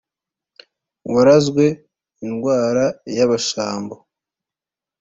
warazwe i-Ndorwa y’Abashambo